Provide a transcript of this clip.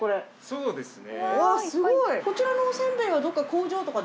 そうですね。